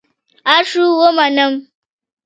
اړ شوم ومنم.